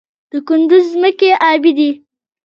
د کندز ځمکې ابي دي